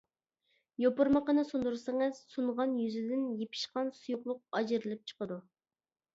يوپۇرمىقىنى سۇندۇرسىڭىز سۇنغان يۈزىدىن يېپىشقان سۇيۇقلۇق ئاجرىلىپ چىقىدۇ.